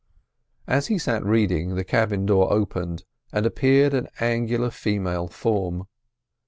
As he sat reading, the cabin door opened, and appeared an angular female form.